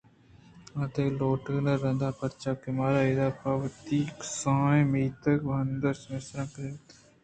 تئی لوٹائینگ رد اَت پرچا کہ مارا ادا پہ وتی کسانیں میتگ ءُ ہندءِ سیمسراں کچ ءُماپ پکا رنہ اِنت